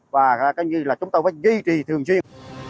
và chúng tôi phải duy trì thường xuyên